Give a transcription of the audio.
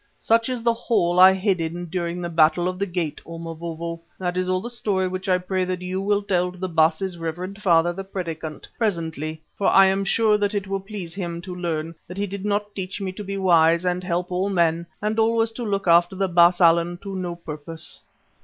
Such is the hole I hid in during the Battle of the Gate, O Mavovo. That is all the story which I pray that you will tell to the Baas's reverend father, the Predikant, presently, for I am sure that it will please him to learn that he did not teach me to be wise and help all men and always to look after the Baas Allan, to no purpose.